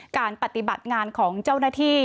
การปฏิบัติงานของเจ้าหน้าที่